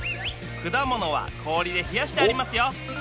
果物は氷で冷やしてありますよ